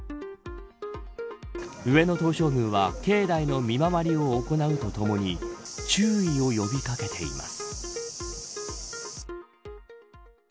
上野東照宮は、境内の見回りを行うとともに注意を呼び掛けています。